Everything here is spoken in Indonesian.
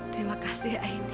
terima kasih aini